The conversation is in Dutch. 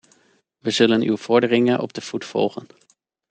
We zullen uw vorderingen op de voet volgen.